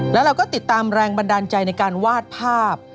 แล้วเราก็ติดตามแรงบันดาลใจในการวาดภาพ